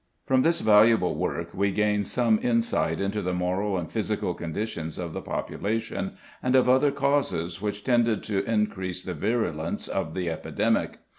From this valuable work we gain some insight into the moral and physical conditions of the population, and of other causes which tended to increase the virulence of the epidemic.